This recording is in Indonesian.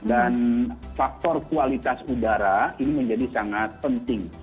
dan faktor kualitas udara ini menjadi sangat penting